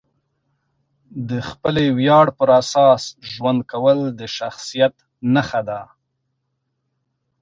د خپلې ویاړ پر اساس ژوند کول د شخصیت نښه ده.